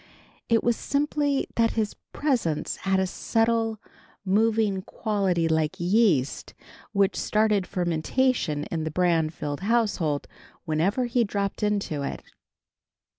It was simply that his presence had a subtle, moving quality like yeast, which started fermentation in the Branfield household whenever he dropped into it.